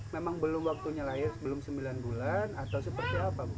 memang belum waktunya lahir belum sembilan bulan atau seperti apa